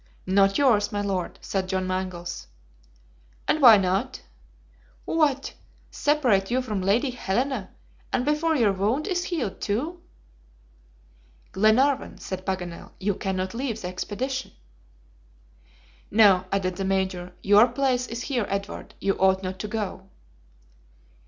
"Not yours, my Lord," said John Mangles. "And why not?" "What! separate you from Lady Helena, and before your wound is healed, too!" "Glenarvan," said Paganel, "you cannot leave the expedition." "No," added the Major. "Your place is here, Edward, you ought not to go."